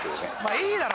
いいだろ